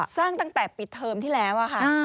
ตั้งแต่ปิดเทอมที่แล้วค่ะ